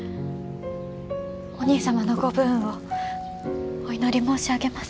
お兄様のご武運をお祈り申し上げます。